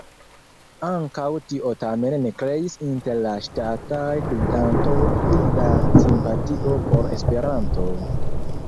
Ankaŭ tio tamen ne kreis inter la ŝtataj gvidantoj pli da simpatio por Esperanto.